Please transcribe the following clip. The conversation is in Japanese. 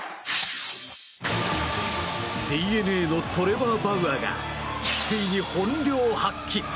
ＤｅＮＡのトレバー・バウアーがついに本領発揮！